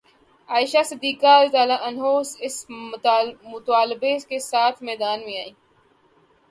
عائشہ صدیقہ رض اس مطالبہ کے ساتھ میدان میں آئیں